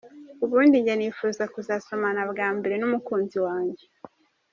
Ubundi njye nifuzaga kuzasomana bwa mbere n’umukunzi wanjye.